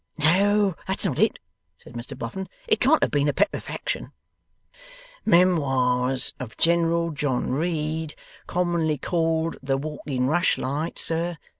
'No, that's not it,' said Mr Boffin. 'It can't have been a petrefaction.' 'Memoirs of General John Reid, commonly called The Walking Rushlight, sir?